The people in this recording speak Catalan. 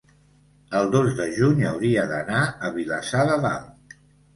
el dos de juny hauria d'anar a Vilassar de Dalt.